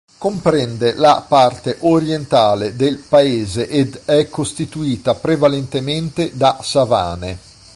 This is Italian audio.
Comprende la parte orientale del Paese ed è costituita prevalentemente da savane.